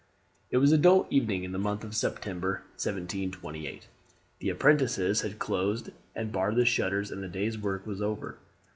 It was a dull evening in the month of September, 1728. The apprentices had closed and barred the shutters and the day's work was over.